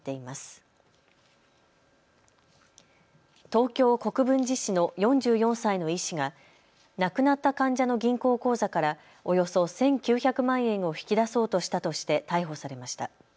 東京国分寺市の４４歳の医師が亡くなった患者の銀行口座からおよそ１９００万円を引き出そうとしたとして逮捕されました。